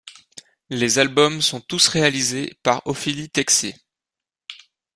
Les albums sont tous réalisés par Ophélie Texier.